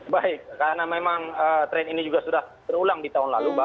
baik karena memang tren ini juga sudah terulang di tahun lalu